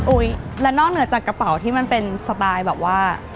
และนอกเหนือจากกระเป๋าที่มันเป็นสไตล์แบบว่า